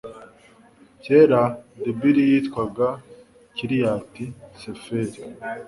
kera debiri yitwaga kiriyati seferi